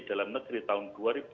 dalam negeri tahun dua ribu delapan